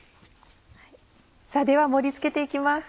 さぁでは盛り付けて行きます。